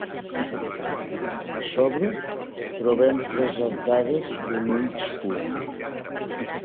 A sobre trobem tres arcades de mig punt.